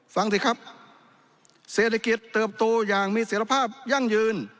ฟังสิครับเศรษฐกิจเติบโตอย่างมีเสร็จภาพยั่งยืน